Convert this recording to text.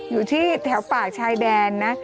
อยู่ที่แถวปากชายแดนนะ